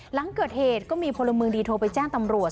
หลังเกิดเหตุก็มีพลเมืองดีโทรไปแจ้งตำรวจ